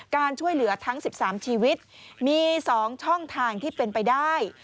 การช่วยเหลือทั้ง๑๓ชีวิตมี๒ช่องทางที่เป็นไปได้